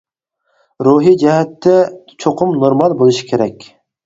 روھى جەھەتتە چوقۇم نورمال بولۇشى كېرەك.